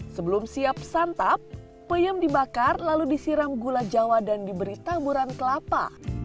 sebelum siap santap peyem dibakar lalu disiram gula jawa dan diberi taburan kelapa